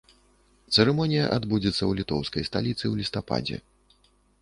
Цырымонія адбудзецца ў літоўскай сталіцы ў лістападзе.